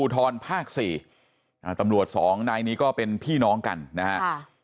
ตำรวจสองนายนี้ก็เป็นพี่น้องกันนะครับ